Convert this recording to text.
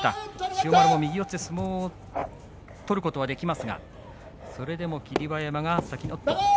千代丸も右四つで相撲を取ることはできますがそれでも霧馬山が先におっと。